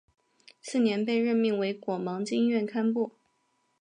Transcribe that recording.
次年被任命为果芒经院堪布。